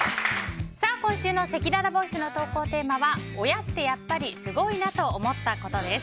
今週のせきららボイスの投稿テーマは親ってやっぱりすごいなと思ったことです。